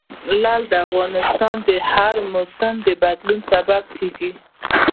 لعل د افغانستان د موسم د بدلون سبب کېږي.